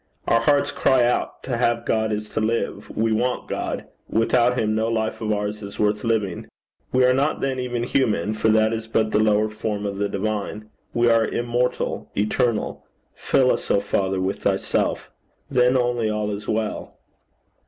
Our hearts cry out, 'To have God is to live. We want God. Without him no life of ours is worth living. We are not then even human, for that is but the lower form of the divine. We are immortal, eternal: fill us, O Father, with thyself. Then only all is well.'